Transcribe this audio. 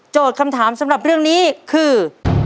คำถามสำหรับเรื่องนี้คือ